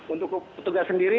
untuk petugas sendiri